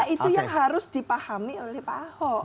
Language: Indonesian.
itu yang harus dipahami oleh pak ahok